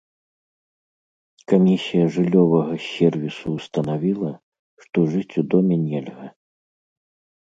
Камісія жыллёвага сервісу ўстанавіла, што жыць у доме нельга.